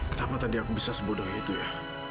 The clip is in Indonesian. kenapa tadi aku bisa sebodoh gitu ya